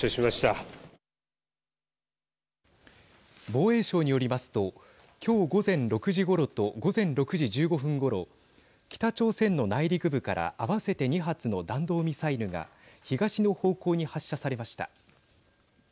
防衛省によりますと今日、午前６時ごろと午前６時１５分ごろ北朝鮮の内陸部から合わせて２発の弾道ミサイルが東の方向に発射されました。